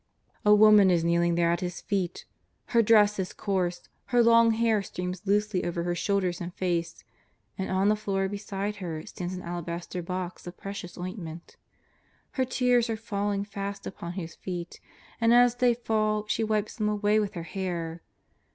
A woman is kneeling there at His feet. Her dress is coarse, her long hair streams loosely over her shoulders and face, and on the floor beside her stands an alabaster box of precious ointment. Her tears are falling fast upon His feet, and as they fall she wipes them away with her hair.